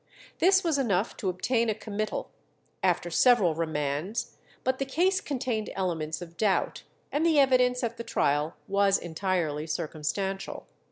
This was enough to obtain a committal, after several remands; but the case contained elements of doubt, and the evidence at the trial was entirely circumstantial.